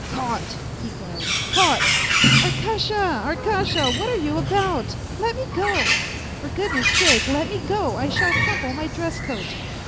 " Caught !" he cried. " Caught !"" Arkasha, Arkasha, what are you about ? Let me go. For goodness sake, let me go, I shall crumple my dress coat